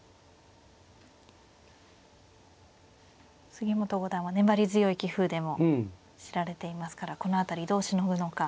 杉本五段は粘り強い棋風でも知られていますからこの辺りどうしのぐのか。